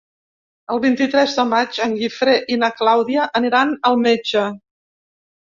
El vint-i-tres de maig en Guifré i na Clàudia aniran al metge.